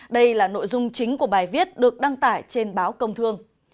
đây là nội dung chính của bài viết được đăng tải trên báo công thương